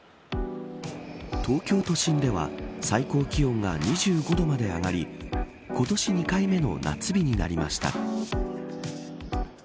東京都心では最高気温が２５度まで上がり今年２回目の夏日になりました。